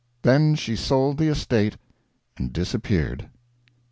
Then she sold the estate and disappeared.